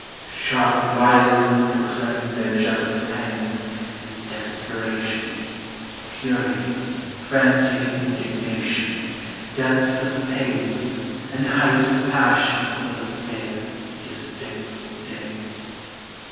Sharp violins proclaim Their jealous pangs, and desperation, Fury, frantic indignation, Depth of pains, and height of passion For the fair, disdainful dame.